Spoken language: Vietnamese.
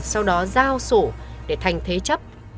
sau đó giao sổ để thành thế chấp